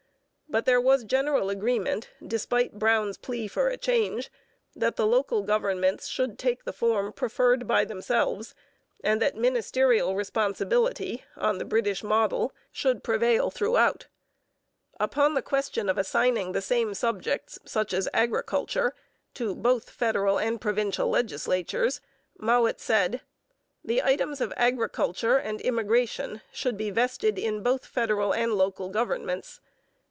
But there was general agreement, despite Brown's plea for a change, that the local governments should take the form preferred by themselves and that ministerial responsibility on the British model should prevail throughout. Upon the question of assigning the same subjects, such as agriculture, to both federal and provincial legislatures, Mowat said: The items of agriculture and immigration should be vested in both federal and local governments.